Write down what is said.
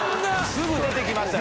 すぐ出てきましたよ